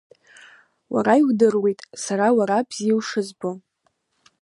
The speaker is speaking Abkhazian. Уара иудыруеит сара Уара бзиа ушызбо.